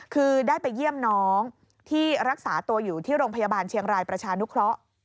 คือได้ไปเยี่ยมน้องที่รักษาตัวอยู่ที่โรงพยาบาลเชียงรายประชานุเคราะห์